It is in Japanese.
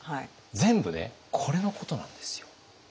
全部ねこれのことなんですよ。